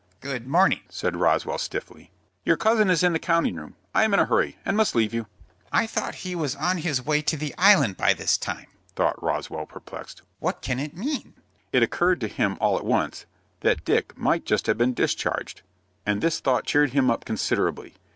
"Good morning," said Roswell, stiffly. "Your cousin is in the counting room. I am in a hurry, and must leave you." "I thought he was on his way to the Island by this time," thought Roswell, perplexed. "What can it mean?" It occurred to him all at once that Dick might just have been discharged, and this thought cheered him up considerably.